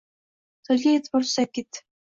Tilga e’tibor susayib ketdi.